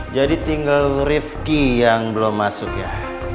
jadi tinggal rifki yang belum masuk ya